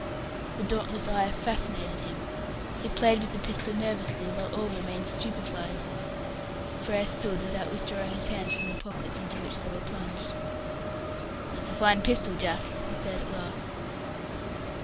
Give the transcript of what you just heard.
The dauntless eye fascinated him. He played with the pistol nervously, while all remained stupefied. Frere stood, without withdrawing his hands from the pockets into which they were plunged. "That's a fine pistol, Jack," he said at last.